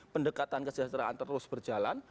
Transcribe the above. pendekatan kesejahteraan terus berjalan